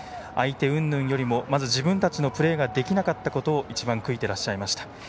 相手うんぬんよりも、まず自分たちのプレーができなかったことを一番悔いてらっしゃいました。